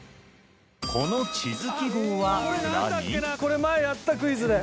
これ前やったクイズで。